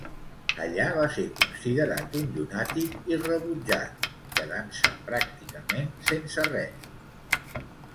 Allà va ser considerat un llunàtic i rebutjat, quedant-se pràcticament sense res.